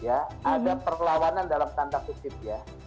ada perlawanan dalam tanda kutip ya